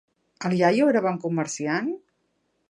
El iaio era bon comerciant?